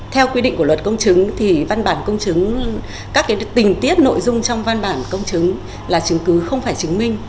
theo quy định của luật công chứng thì văn bản công chứng các tình tiết nội dung trong văn bản công chứng là chứng cứ không phải chứng minh